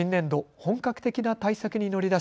本格的な対策に乗り出し